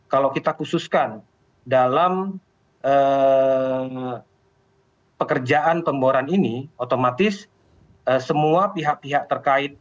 kalau kita khususkan dalam pekerjaan pemboran ini otomatis semua pihak pihak terkait